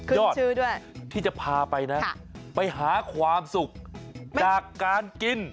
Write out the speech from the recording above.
ยอดชื่อด้วยที่จะพาไปนะไปหาความสุขจากการกิน